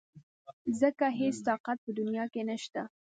ځکه هېڅ طاقت په دنيا کې نشته .